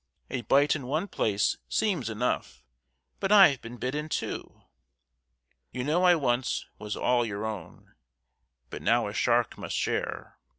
A bite in one place soems enough, But I've been bit in two. "You know I once was all your own, But now a shark must share!